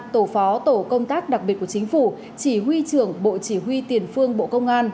tổ phó tổ công tác đặc biệt của chính phủ chỉ huy trưởng bộ chỉ huy tiền phương bộ công an